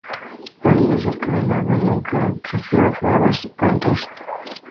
Anida cerca del agua, nunca a grandes alturas, en árboles, puentes y grietas.